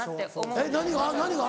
えっ何が？